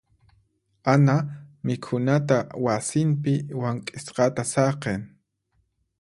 Ana mikhunata wasinpi wank'isqata saqin.